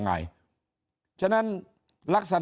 ถ้าท่านผู้ชมติดตามข่าวสาร